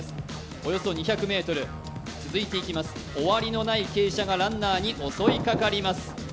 およそ２００ｍ続いていきます、終わりのない傾斜がランナーに襲いかかります。